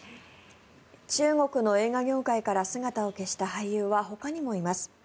中国の映画業界から姿を消した俳優はほかにもいます。